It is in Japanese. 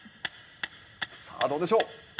さあどうでしょう？